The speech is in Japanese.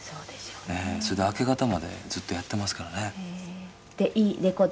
それで、明け方までずっとやってますからね。